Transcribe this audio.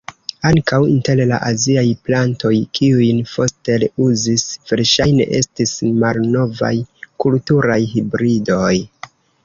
Ankaŭ inter la aziaj plantoj, kiujn Foster uzis verŝajne estis malnovaj kulturaj hibridoj.